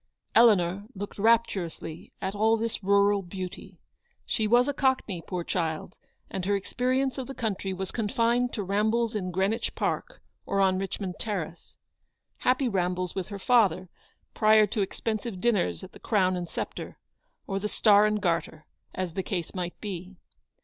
Eleanor looked rapturously at all this rural beauty. She was a Cockney, poor child, and her HAZLEW00D. 249 experience of the country was confined to rambles in Greenwich Park, or on Richmond Terrace; happy rambles with her father, prior to expensive dinners at the Crown and Sceptre, or the Star and Garter, as the case might be.